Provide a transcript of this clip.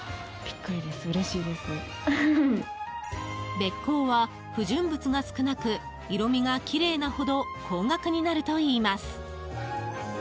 べっこうは、不純物が少なく色味がきれいなほど高額になるといいます。